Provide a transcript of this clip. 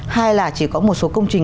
hai là chỉ có một số công trình